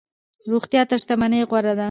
روغتيا تر شتمنۍ غوره ده.